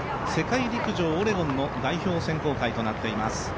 世界陸上オレゴンの代表選考会となっております。